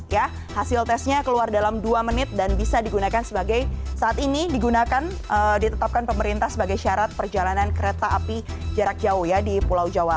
ya hasil tesnya keluar dalam dua menit dan bisa digunakan sebagai saat ini digunakan ditetapkan pemerintah sebagai syarat perjalanan kereta api jarak jauh ya di pulau jawa